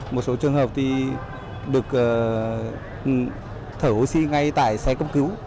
một số trường hợp thì được thở oxy ngay tại xe cấp cứu